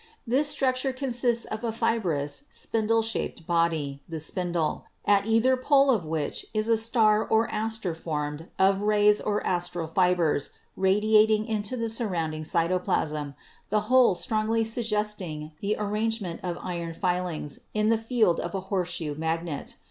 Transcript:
This structure consists of a fibrous spindle shaped body, the spindle, at either pole of which is a star or aster formed of rays or astral fibers radiating into the surrounding cytoplasm, the whole strongly suggesting the arrangement of iron filings in the field of a horseshoe magnet.